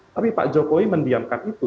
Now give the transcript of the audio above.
tapi pak jokowi mendiamkan itu